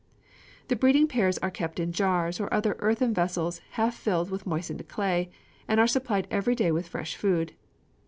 The breeding pairs are kept in jars or other earthen vessels half filled with moistened clay, and are supplied every day with fresh food.